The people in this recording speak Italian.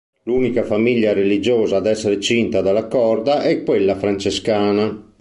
L'unica famiglia religiosa ad essere cinta dalla corda è quella francescana.